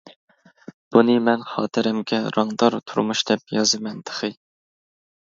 بۇنى مەن خاتىرەمگە رەڭدار تۇرمۇش دەپ يازىمەن تېخى.